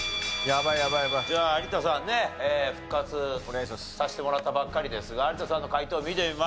じゃあ有田さんね復活させてもらったばっかりですが有田さんの解答見てみましょう。